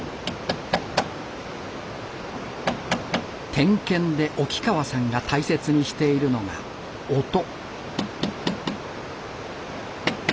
点検で沖川さんが大切にしているのが音。